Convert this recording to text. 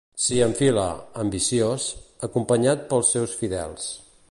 S'hi enfila, ambiciós, acompanyat pels seus fidels.